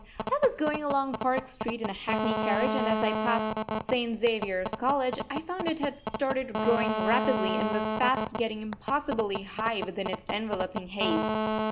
I was going along Park Street in a hackney carriage, and as I passed St. Xavier's College I found it had started growing rapidly and was fast getting impossibly high within its enveloping haze.